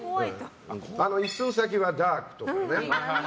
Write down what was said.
一寸先はダークとかね。